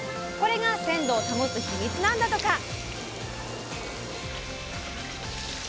これが鮮度を保つヒミツなんだとか。